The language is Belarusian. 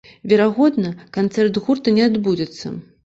Верагодна, канцэрт гурта не адбудзецца.